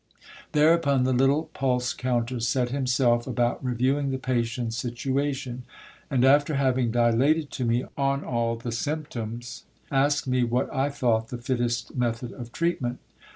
Thereupon the little pulse counter set himself about reviewing the patient's situation ; and after having dilated to me on all the symptoms, asked me what I thought the fittest method of treatment.